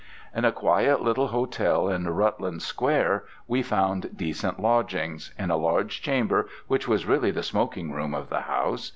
In a quiet little hotel in Rutland Square we found decent lodging, in a large chamber which was really the smoking room of the house.